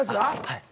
はい。